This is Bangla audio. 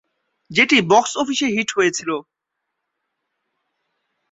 যেটি বক্স অফিসে হিট হয়েছিল।